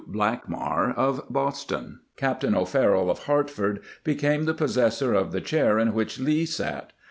Blackmar of Boston. Captain O'Farrell of Hartford became the possessor of the chair in which Lee sat.